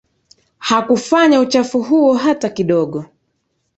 Hakufanya uchafu huo hata kidogo